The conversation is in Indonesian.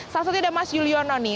saat itu ada mas yulio noni